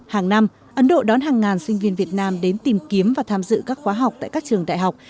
hàng năm ấn độ đón hàng ngàn sinh viên việt nam đến tìm kiếm và tham dự các khóa học tại các trường đại học